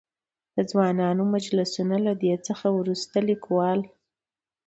د ځوانانو مجلسونه؛ له دې څخه ورورسته ليکوال.